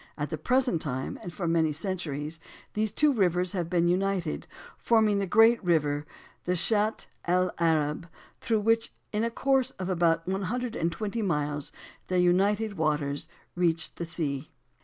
At the present time, and for many centuries, these two rivers have been united, forming the great river, the Shat el Arab, through which, in a course of about one hundred and twenty miles, their united waters reach the sea.